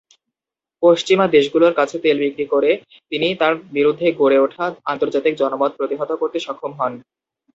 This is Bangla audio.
পশ্চিমা দেশগুলোর কাছে তেল বিক্রি করে তিনি তার বিরুদ্ধে গড়ে ওঠা আন্তর্জাতিক জনমত প্রতিহত করতে সক্ষম হন।